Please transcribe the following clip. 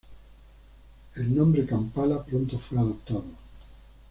El nombre Kampala pronto fue adoptado.